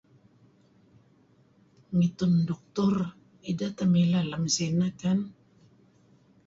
Ngitun duktur ideh teh mileh lem sineh kan?